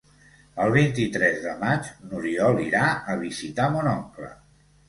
El vint-i-tres de maig n'Oriol irà a visitar mon oncle.